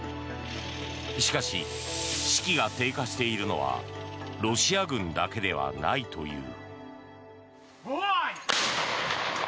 しかし、士気が低下しているのはロシア軍だけではないという。